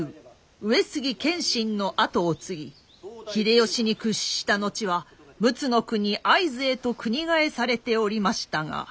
上杉謙信の跡を継ぎ秀吉に屈した後は陸奥国会津へと国替えされておりましたが。